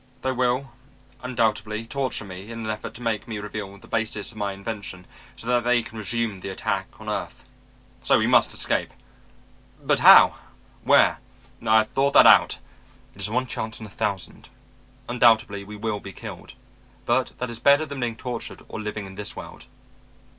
They will undoubtedly torture me in an effort to make me reveal the basis of my invention so that they can resume the attack on earth. So we must escape." "But how where?" "I have thought that out. It is one chance in a thousand. Undoubtedly we will be killed. But that is better than being tortured or living in this world.